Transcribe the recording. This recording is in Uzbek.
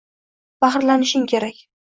faxrlanishing kerak